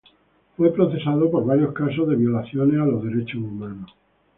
Fue procesado por varios casos de violaciones a los derechos humanos.